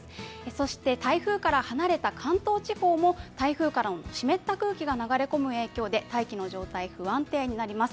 そして台風から離れた関東地方も台風からの湿った空気が流れ込む影響で大気の状態、不安定になります。